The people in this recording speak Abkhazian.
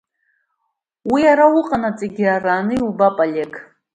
Уи ара уҟанаҵ иагарааны иубап, Олег.